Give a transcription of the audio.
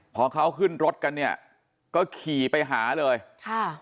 พอเขาขึ้นรถกันเนี่ยก็ขี่ไปหาเลยค่ะ